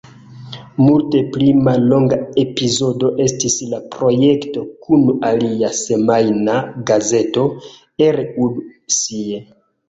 Multe pli mallonga epizodo estis la projekto kun alia semajna gazeto, "Er und Sie.